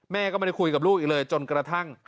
แม่ก็ไม่ได้คุยกับลูกอีกเลยจนกระทั่ง